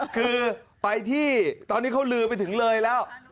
คือไปที่ตอนนี้เขาลือไปถึงเลยแล้ว